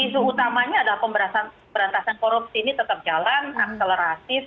isu utamanya adalah pemberantasan korupsi ini tetap jalan akselerasi